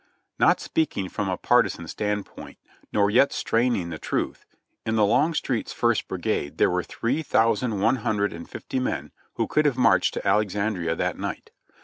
Not speaking from a partisan standpoint, nor yet straining the truth, in the Longstreet's first brigade there were three thou sand one hundred and fifty men who could have marched to Alexandria that night.